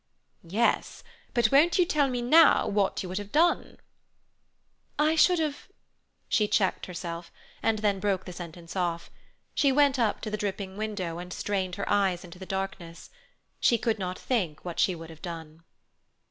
"Yes, but won't you tell me now what you would have done?" "I should have—" She checked herself, and broke the sentence off. She went up to the dripping window and strained her eyes into the darkness. She could not think what she would have done.